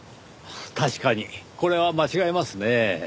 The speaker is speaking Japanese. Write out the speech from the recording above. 確かにこれは間違えますねぇ。